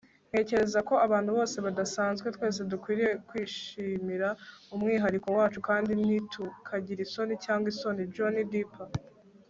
ntekereza ko abantu bose badasanzwe twese dukwiye kwishimira umwihariko wacu kandi ntitukagire isoni cyangwa isoni - johnny depp